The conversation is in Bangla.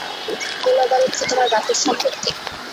গোলাবারুদ কি তোমার বাপের সম্পত্তি?